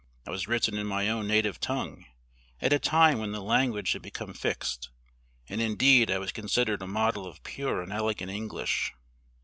I was written in my own native tongue, at a time when the language had become fixed; and indeed I was considered a model of pure and elegant English."